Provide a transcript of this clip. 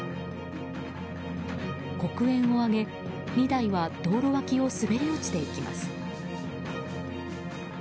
黒煙を上げ、２台は道路脇を滑り落ちていきます。